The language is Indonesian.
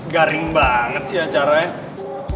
garing banget sih acaranya